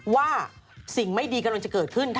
ว่าสิ่งไม่ดีกำลังจะเกิดขึ้น